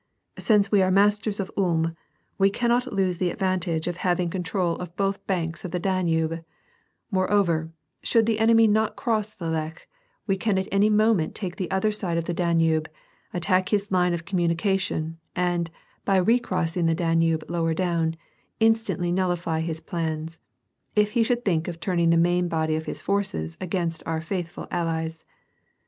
Since we are masters of Ulm, we cannot lose the advantage of having con 144 M^^A AND PEACE. trol of both banks of the Danube ; moreover, should the enemy not cross the Lech, we can at any moment take the other side of the Danube, attack his line of communication, and, by recross ing the Danube lower down, instantly nullify his plans, if he should think of turning the main body of his forces against our faithful allies.